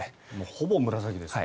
ほぼ紫ですね。